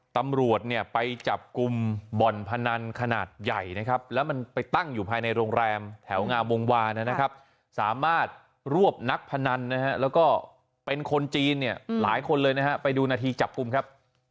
ตำรวจเนี่ยไปจับกลุ่มบ่อนพนันขนาดใหญ่นะครับแล้วมันไปตั้งอยู่ภายในโรงแรมแถวงามวงวานะครับสามารถรวบนักพนันนะฮะแล้วก็เป็นคนจีนเนี่ยหลายคนเลยนะฮะไปดูนาทีจับกลุ่มครับ